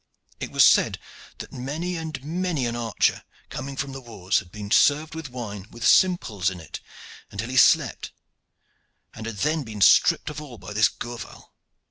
It was said that many and many an archer coming from the wars had been served with wine with simples in it, until he slept, and had then been stripped of all by this Gourval.